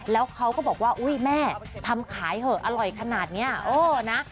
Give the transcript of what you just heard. แล้วเขาก็บอกว่าอุ๊ยแม่ทำขายเถอะอร่อยขนาดนี้เออนะ